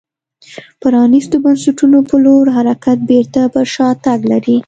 پرانیستو بنسټونو په لور حرکت بېرته پر شا تګ لري